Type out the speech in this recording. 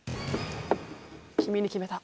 君に決めた。